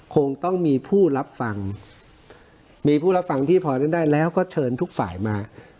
คงต้องมีผู้รับฟังมีผู้รับฟังที่พอนั้นได้แล้วก็เชิญทุกฝ่ายมา